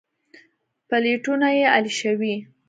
پلېټونه يې الېشوي.